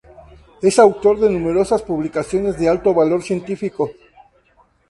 Es autor de numerosas publicaciones de alto valor científico.